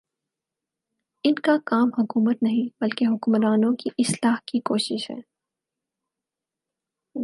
ان کا کام حکومت نہیں، بلکہ حکمرانوں کی اصلاح کی کوشش ہے